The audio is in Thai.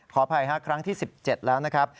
อภัยครั้งที่๑๗แล้วนะครับ